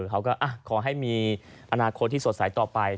เขาก็ขอให้มีอนาคตที่สดใสต่อไป